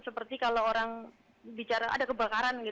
seperti kalau orang bicara ada kebakaran